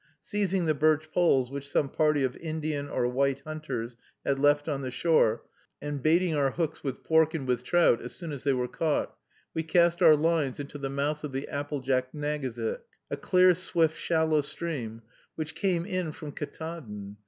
Seizing the birch poles which some party of Indians, or white hunters, had left on the shore, and baiting our hooks with pork, and with trout, as soon as they were caught, we cast our lines into the mouth of the Aboljacknagesic, a clear, swift, shallow stream, which came in from Ktaadn.